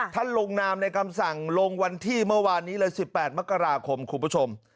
ลงนามในคำสั่งลงวันที่เมื่อวานนี้เลย๑๘มกราคมคุณผู้ชม